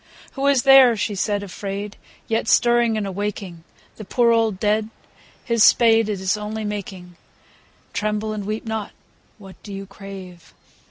II. Who is there, she said afraid, yet Stirring and awaking The poor old dead? His spade, it Is only making, — (Tremble and weep not I What do you crave